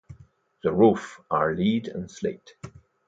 The roofs are lead and slate.